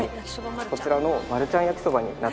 こちらのマルちゃん焼そばになっております。